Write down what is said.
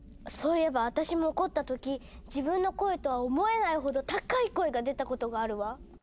そういえば私も怒った時自分の声とは思えないほど高い声が出たことがあるわ。